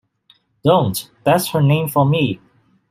Don't, that's her name for me!